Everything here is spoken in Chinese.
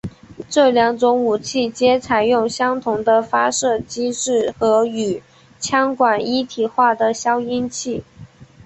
这两种武器皆采用相同的发射机制和与枪管一体化的消音器。